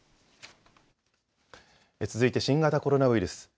続いて新型コロナウイルス。